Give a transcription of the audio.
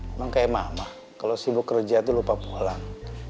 emang kayak mama kalau sibuk kerja itu lupa pulang